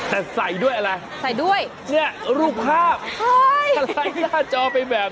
แต่ใส่ด้วยอะไรใส่ด้วยเนี่ยรูปภาพสไลด์หน้าจอไปแบบ